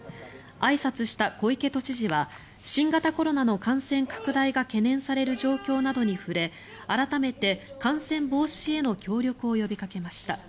あいさつした小池都知事は新型コロナの感染拡大が懸念される状況などに触れ改めて感染防止への協力を呼びかけました。